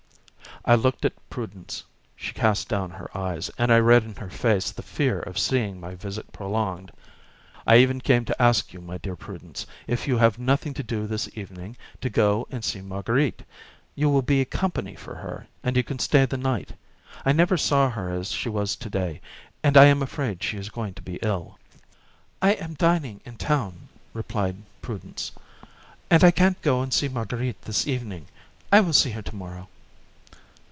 I looked at Prudence; she cast down her eyes, and I read in her face the fear of seeing my visit prolonged. "I even came to ask you, my dear Prudence, if you have nothing to do this evening, to go and see Marguerite; you will be company for her, and you can stay the night. I never saw her as she was to day, and I am afraid she is going to be ill." "I am dining in town," replied Prudence, "and I can't go and see Marguerite this evening. I will see her tomorrow."